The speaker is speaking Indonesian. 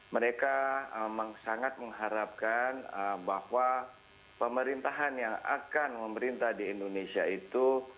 mereka sangat mengharapkan bahwa pemerintahan yang akan memerintah di indonesia itu